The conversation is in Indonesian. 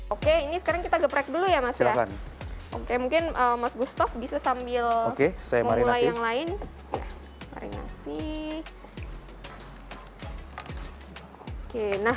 oke ini sekarang kita geprek dulu ya mas silahkan oke mungkin mas gustof bisa sambil mulai yang lain